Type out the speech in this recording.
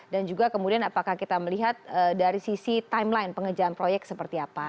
dan juga kemudian apakah kita melihat dari sisi timeline pengejalan proyek seperti apa